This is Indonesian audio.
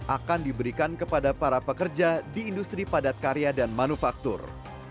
akan diberikan kepada para pekerja di industri padat karya dan manufaktur